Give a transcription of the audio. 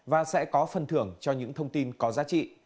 và sẽ có phần thưởng cho những thông tin có giá trị